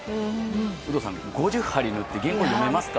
有働さん、５０針縫って戻れますか。